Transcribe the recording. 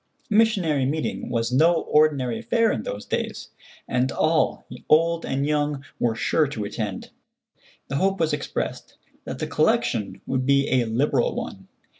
A missionary meeting was no ordinary affair in those days, and all, old and young, were sure to attend. The hope was expressed that the collection would be a liberal one.